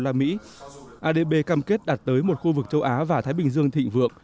adb cam kết đạt tới một khu vực châu á và thái bình dương thịnh vượng